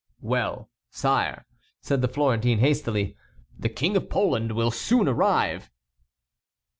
"Well, sire," said the Florentine, hastily, "the King of Poland will soon arrive!"